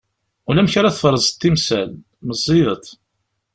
Ulamek ara tferẓeḍ timsal, meẓẓiyeḍ.